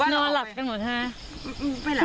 นอนหลับกันหมดฮะ